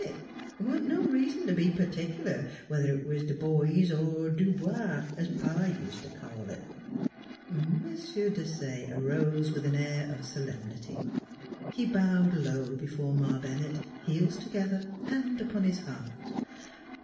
The' wa'n't no reason t' be p'tic'lar whether it was D'boise er Du bawh as Pa ust t' call it" M. Desaye arose with an air of solemnity; he bowed low before Ma Bennett, heels together, hand upon his heart.